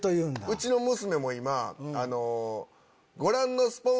うちの娘も今。